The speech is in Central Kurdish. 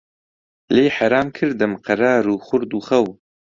لێی حەرام کردم قەرار و خورد و خەو